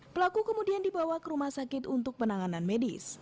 pelaku kemudian dibawa ke rumah sakit untuk penanganan medis